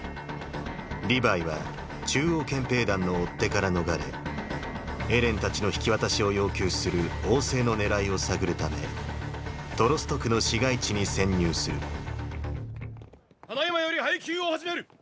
リヴァイは中央憲兵団の追っ手から逃れエレンたちの引き渡しを要求する王政の狙いを探るためトロスト区の市街地に潜入するただ今より配給を始める！